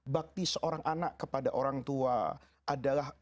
bakti seorang anak kepada orang tua adalah